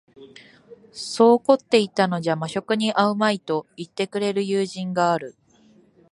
そう凝っていたのじゃ間職に合うまい、と云ってくれる友人がある